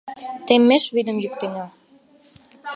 Теммеш вӱдым йӱктена.